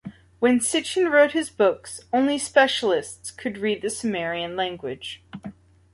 When Sitchin wrote his books, only specialists could read the Sumerian language.